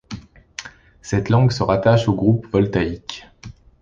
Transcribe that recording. Cette langue se rattache au groupe voltaïque.